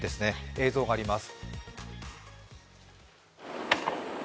映像があります。